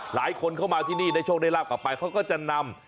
หลายคนเข้ามาที่นี่ในโชคในราบต่อไปเขาก็จะนำ